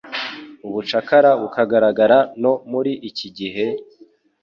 Ubucakara bukigaragara no muri iki gihe,